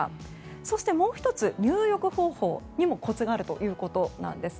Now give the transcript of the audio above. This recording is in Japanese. そしてもう１つ、入浴方法にもコツがあるということです。